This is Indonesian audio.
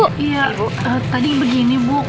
iya tadi begini bu